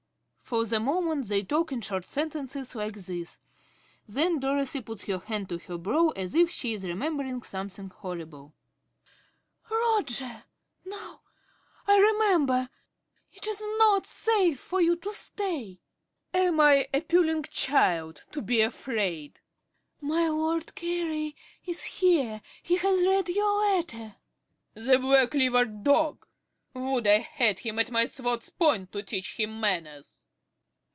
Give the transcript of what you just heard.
(For the moment they talk in short sentences like this. Then Dorothy puts her hand to her brow as if she is remembering something horrible.) ~Dorothy.~ Roger! Now I remember! It is not safe for you to stay! ~Roger~ (very brave). Am I a puling child to be afraid? ~Dorothy.~ My Lord Carey is here. He has read your letter. ~Roger.~ The black livered dog! Would I had him at my sword's point to teach him manners.